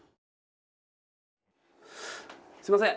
すいません。